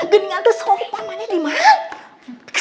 gede ga sopan sama nya di mana